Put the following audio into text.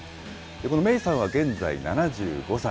このメイさんは現在７５歳。